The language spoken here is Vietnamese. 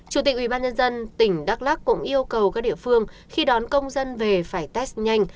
chủ tịch ubnd tỉnh đắk lắc cũng yêu cầu các địa phương khi đón công dân về phải test nhanh